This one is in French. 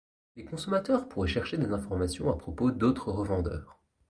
Les consommateurs pourraient chercher des informations à propos d'autres revendeurs.